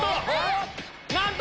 なんと！